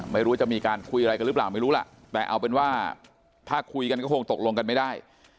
ไม่รู้ว่าจะมีการคุยอะไรกันหรือเปล่าไม่รู้ล่ะแต่เอาเป็นว่าถ้าคุยกันก็คงตกลงกันไม่ได้